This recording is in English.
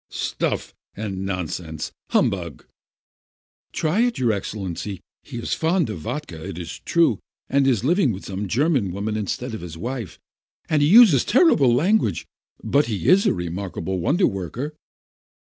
"Stuff and nonsense ! Humbug !" "Just try it, your Excellency ! He is fond of vodka, it is true, and is living with some German woman in stead of his wife, and he uses terrible language, but he is a remarkable wonder worker."